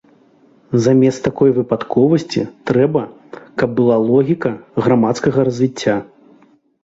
Замест такой выпадковасці трэба, каб была логіка грамадскага развіцця.